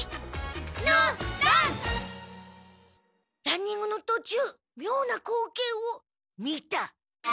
ランニングのとちゅうみょうな光景を見た！